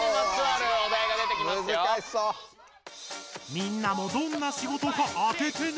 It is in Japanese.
みんなもどんな仕事か当ててね。